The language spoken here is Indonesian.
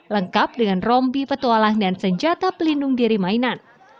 lengkap dengan rompi petualang dan senjata pelindung diri mainan